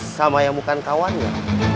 sama yang bukan kawannya